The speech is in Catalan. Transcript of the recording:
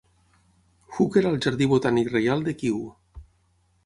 Hooker al Jardí Botànic Reial de Kew.